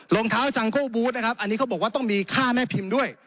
รองเท้าจังโก้บูธนะครับอันนี้เขาบอกว่าต้องมีค่าแม่พิมพ์ด้วย